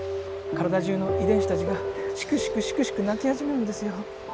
体じゅうの遺伝子たちがシクシクシクシク泣き始めるんですよ。